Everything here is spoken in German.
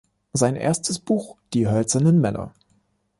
Sein erstes Buch "Die hölzernen Männer.